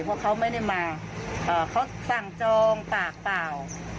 เพราะเขาไม่ได้มาเขาสั่งจองปากเปล่า